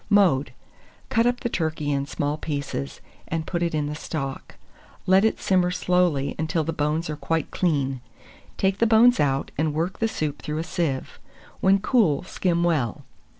Mode. Cut up the turkey in small pieces, and put it in the stock; let it simmer slowly until the bones are quite clean. Take the bones out, and work the soup through a sieve; when cool, skim well.